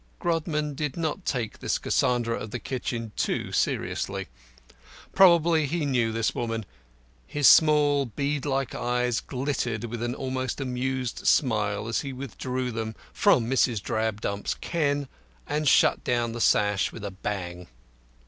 Grodman did not take this Cassandra of the kitchen too seriously. Probably he knew his woman. His small, bead like eyes glittered with an almost amused smile as he withdrew them from Mrs. Drabdump's ken, and shut down the sash with a bang.